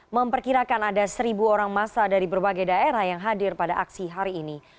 memperkirakan ada seribu orang masa dari berbagai daerah yang hadir pada aksi hari ini